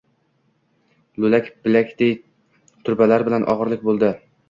Io‘lak bilakday trubalar bilan o‘rog‘lik bo‘ldi.